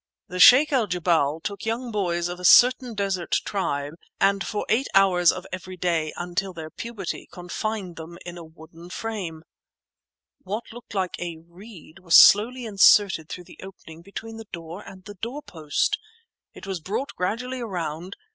"—the Sheikh al jebal took young boys of a certain desert tribe, and for eight hours of every day, until their puberty, confined them in a wooden frame—" What looked like a reed was slowly inserted through the opening between door and doorpost! It was brought gradually around